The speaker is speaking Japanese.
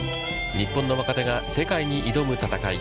日本の若手が世界に挑む戦い。